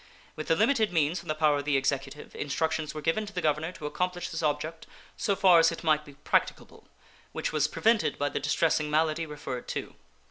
With the limited means in the power of the Executive, instructions were given to the governor to accomplish this object so far as it might be practicable, which was prevented by the distressing malady referred to.